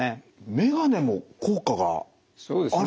メガネも効果があるんですか。